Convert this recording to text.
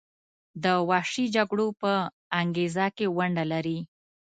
د وحشي جګړو په انګیزه کې ونډه لري.